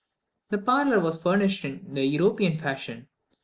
The parlour was furnished in the European fashion.